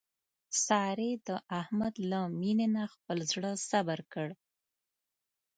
سارې د احمد له مینې نه خپل زړه صبر کړ.